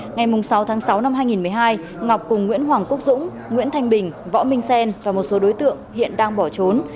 ngày sáu tháng sáu năm hai nghìn một mươi hai ngọc cùng nguyễn hoàng quốc dũng nguyễn thanh bình võ minh xen và một số đối tượng hiện đang bỏ trốn